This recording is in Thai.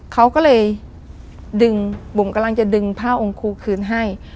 เขาก็เลยดึงบุ๋มกำลังจะดึงผ้าองค์ครูคืนให้